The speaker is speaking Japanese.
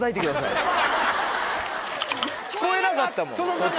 聞こえなかったもん途中。